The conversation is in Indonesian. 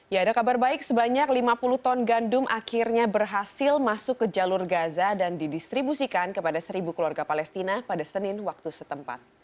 ya ada kabar baik sebanyak lima puluh ton gandum akhirnya berhasil masuk ke jalur gaza dan didistribusikan kepada seribu keluarga palestina pada senin waktu setempat